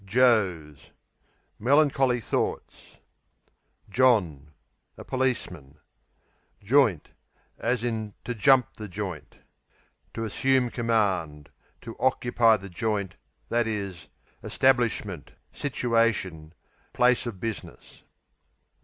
Joes Melancholy thoughts. John A policeman. Joint, to jump the To assume command; to occupy the "joint," i.e., establishment, situation, place of business.